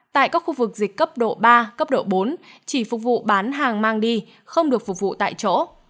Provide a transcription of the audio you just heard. tại các khu vực dịch cấp độ ba cấp độ bốn chỉ phục vụ bán hàng mang đi không được phục vụ tại chỗ